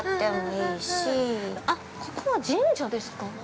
◆ここは神社ですか。